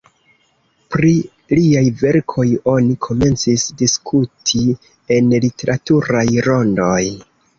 Pri liaj verkoj oni komencis diskuti en literaturaj rondoj.